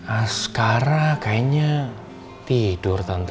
askara kayaknya tidur tante